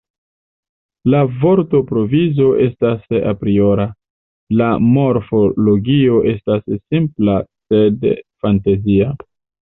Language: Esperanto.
La vortprovizo estas apriora, la morfologio estas simpla sed fantazia.